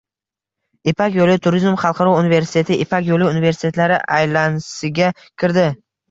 “Ipak yoʻli” turizm xalqaro universiteti Ipak yoʻli universitetlari alyansiga kirdi